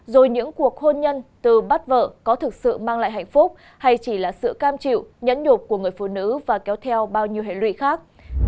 rồi những cuộc hôn nhân từ bắt vợ có thực sự mang lại hạnh phúc hay chỉ là sự cam chịu nhẫn nhục của người phụ nữ và kéo theo bao nhiêu hệ lụy khác